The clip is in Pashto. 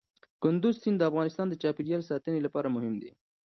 کندز سیند د افغانستان د چاپیریال ساتنې لپاره مهم دي.